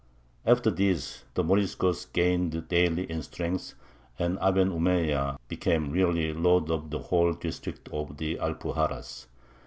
After this the Moriscos gained daily in strength, and Aben Umeyya became really lord of the whole district of the Alpuxarras.